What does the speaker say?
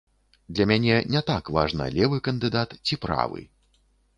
Для мяне не так важна, левы кандыдат ці правы.